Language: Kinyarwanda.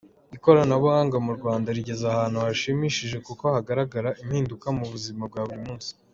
Ikoranabuhanga mu Rwanda rigeze ahantu hashimishije, kuko hagaragara impinduka mu buzima bwa buri munsi.